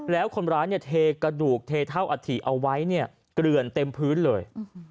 แล้วคนร้ายเนี่ยเทกระดูกเทเท่าอัฐิเอาไว้เนี่ยเกลือนเต็มพื้นเลย